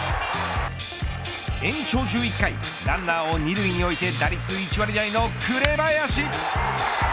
延長１１回ランナーを２塁に置いて打率１割台の紅林。